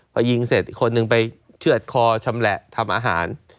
พอยิงเสร็จอีกคนนึงไปเชื่อดคอชำแหละทำอาหาร